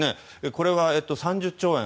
これは、３０兆円。